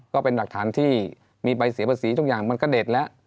ก็เป็นหลักฐานที่มีใบเสียภาษีทุกอย่างมันก็เด็ดแล้ว